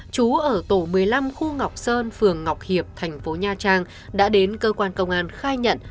chú ở tổ một mươi năm khu ngọc sơn phường ngọc hiệp thành phố nha trang đã đến cơ quan công an khai nhận